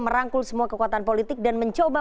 merangkul semua kekuatan politik dan mencoba